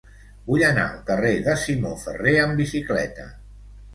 Vull anar al carrer de Simó Ferrer amb bicicleta.